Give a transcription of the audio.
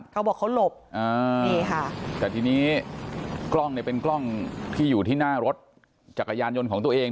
เขาบอกเขาหลบนี่ค่ะแต่ทีนี้กล้องเนี่ยเป็นกล้องที่อยู่ที่หน้ารถจักรยานยนต์ของตัวเอง